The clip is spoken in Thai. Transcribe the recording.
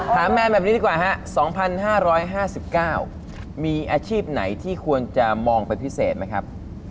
แมนแบบนี้ดีกว่าฮะ๒๕๕๙มีอาชีพไหนที่ควรจะมองเป็นพิเศษไหมครับ